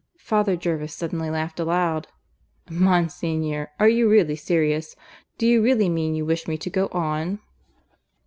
Father Jervis suddenly laughed aloud. "Monsignor, are you really serious? Do you really mean you wish me to go on?"